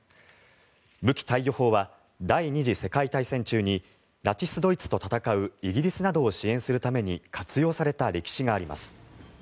武器貸与法は第２次世界大戦中にナチス・ドイツと戦うイギリスなどを支援するために活用された歴史があります。